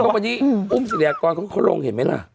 วันนี้อุ้มศิริยากรเขาลงเห็นไหมล่ะ